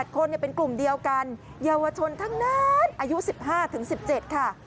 ๘คนเป็นกลุ่มเดียวกันเยาวชนทั้งนั้นอายุ๑๕๑๗ค่ะ